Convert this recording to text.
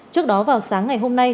trước đó vào sáng ngày hôm nay